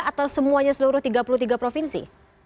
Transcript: atau semuanya seluruh tiga puluh tiga provinsi